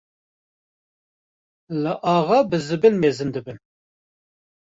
li axa bi zibil mezin dibin.